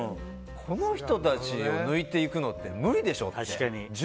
この人たちを抜いていくのって無理でしょって。